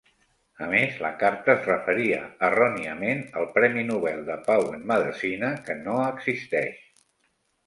A més, la carta es referia erròniament al Premi Nobel de Pau en Medecina, que no existeix.